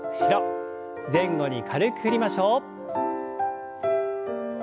前後に軽く振りましょう。